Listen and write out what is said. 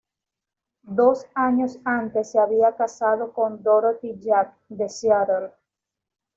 Dos años antes se había casado con Dorothy Jack, de Seattle.